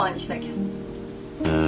うん。